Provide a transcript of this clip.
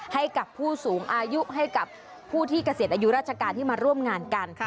ให้กับผู้สูงอายุให้กับผู้ที่เกษียณอายุราชการที่มาร่วมงานกัน